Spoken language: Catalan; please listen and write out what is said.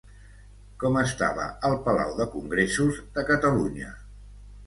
Com estava el Palau de Congressos de Catalunya?